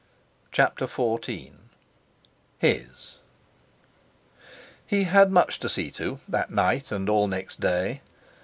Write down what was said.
CHAPTER XIV HIS He had much to see to, that night and all next day.